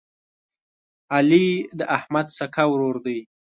علي د احمد سکه ورور دی.